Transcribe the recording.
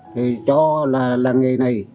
thì cho là là nghề này